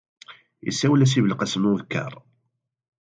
Isawel-as i Belqasem n Udekkaṛ.